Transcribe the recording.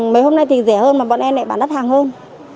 mấy hôm nay thì rẻ hơn mà bọn em lại bán đắt hàng hơn